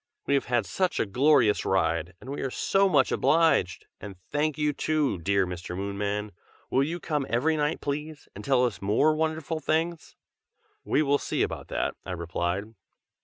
"We have had such a glorious ride, and we are so much obliged! and thank you too, dear Mr. Moonman! will you come every night, please, and tell us more wonderful things?" "We will see about that!" I replied.